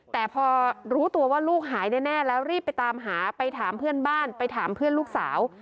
แต่พอรู้ตัวว่าลูกหายแน่แล้วรีบไปตามหาไปถามเพื่อนบ้านไปถามเพื่อนลูกสาว